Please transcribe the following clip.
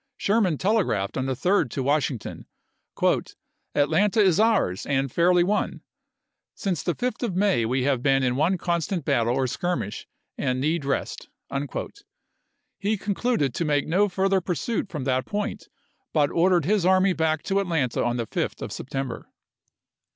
Sherman telegraphed on the 3d to Washington : "Atlanta is ours, and fairly won. .. Since the 5th of May we have been in one constant battle or skirmish, and need rest." He concluded to make no further pursuit from that point, but ordered his army back to Atlanta on the 5th of September.